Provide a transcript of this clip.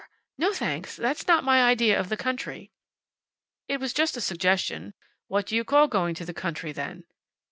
No, thanks. That's not my idea of the country." "It was just a suggestion. What do you call going to the country, then?"